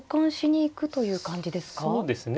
そうですね。